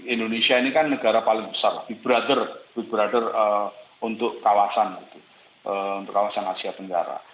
indonesia ini kan negara paling besar bibrother brother untuk kawasan asia tenggara